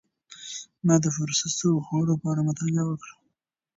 ما د پروسس شوو خوړو په اړه مطالعه وکړه.